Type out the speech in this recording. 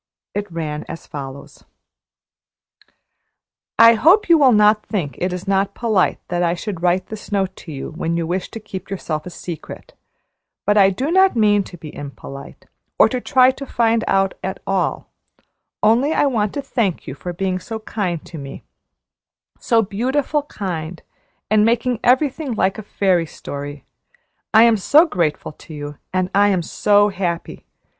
It ran as follows: "I hope you will not think it is not polite that I should write this note to you when you wish to keep yourself a secret, but I do not mean to be impolite, or to try to find out at all, only I want to thank you for being so kind to me so beautiful kind, and making everything like a fairy story. I am so grateful to you and I am so happy!